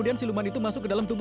dan selalu membela ibu